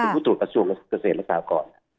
เป็นผู้ตรวจกระทรวงเกษตรศาสตร์ก่อน